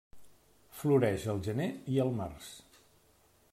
Floreix al gener i al març.